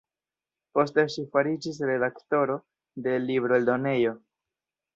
Poste ŝi fariĝis redaktoro de libroeldonejo.